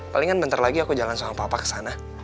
palingan bentar lagi aku jalan sama papa ke sana